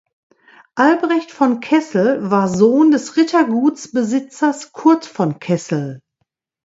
Albrecht von Kessel war Sohn des Rittergutsbesitzers Kurt von Kessel.